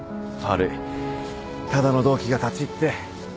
悪いただの同期が立ち入って。